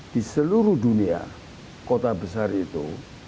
di seluruh dunia kota besar itu